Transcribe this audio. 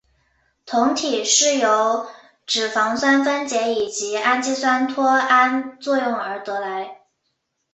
酮体是由脂肪酸分解以及氨基酸脱氨作用而得来。